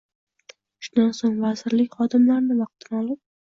shundan so‘ng vazirlik xodimlarini vaqtini olib